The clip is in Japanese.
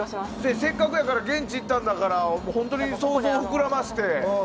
せっかくやから現地に行ったんだから本当に想像を膨らませて。